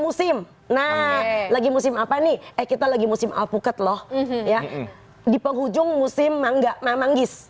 musim nah lagi musim apa nih eh kita lagi musim alpukat loh ya di penghujung musim mangga memanggis